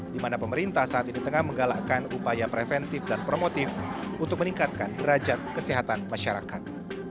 di mana pemerintah saat ini tengah menggalakkan upaya preventif dan promotif untuk meningkatkan kerajaan kesehatan masyarakat